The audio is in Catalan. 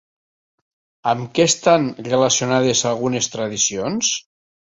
Amb què estan relacionades algunes tradicions?